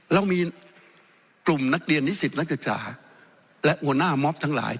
เรามีกลุ่มนักเรียนนิสิตนักศึกษาและหัวหน้ามอบทั้งหลาย